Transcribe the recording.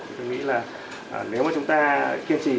thì tôi nghĩ là nếu mà chúng ta kiên trì